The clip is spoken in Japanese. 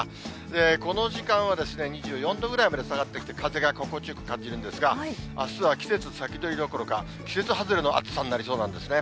この時間は２４度ぐらいまで下がってきて、風が心地よく感じるんですが、あすは季節先取りどころか、季節外れの暑さになりそうなんですね。